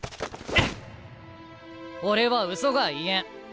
俺はうそが言えん。